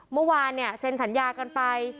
เมื่อวานเซ็นสัญญากันไป